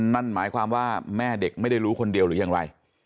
นั่นหมายความว่าแม่เด็กไม่ได้รู้คนเดียวหรือยังไร